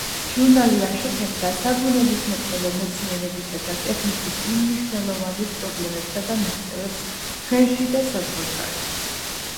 ჟურნალი აშუქებდა საბუნებისმეტყველო მეცნიერებისა და ტექნიკის უმნიშვნელოვანეს პრობლემებსა და მიღწევებს ჩვენში და საზღვარგარეთ.